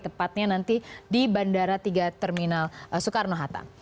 tepatnya nanti di bandara tiga terminal soekarno hatta